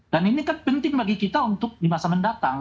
dan ini kan penting bagi kita untuk di masa mendatang